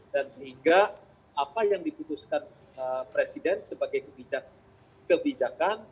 dan sehingga apa yang diputuskan presiden sebagai kebijakan